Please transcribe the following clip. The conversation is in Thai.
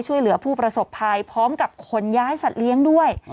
ช่วยเหลือผู้ประสบภัยพร้อมกับขนย้ายสัตว์เลี้ยงด้วย